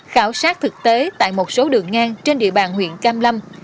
khảo sát thực tế tại một số đường ngang trên địa bàn huyện cam lâm